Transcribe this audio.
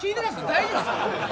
大丈夫ですか？